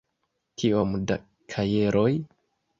Kiom da kajeroj?